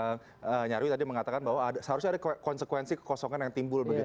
bang nyarwi tadi mengatakan bahwa seharusnya ada konsekuensi kekosongan yang timbul begitu